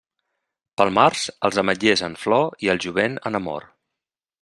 Pel març, els ametllers en flor i el jovent en amor.